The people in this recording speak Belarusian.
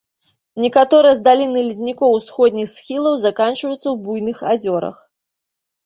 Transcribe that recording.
Некаторыя з даліны леднікоў усходніх схілаў заканчваюцца ў буйных азёрах.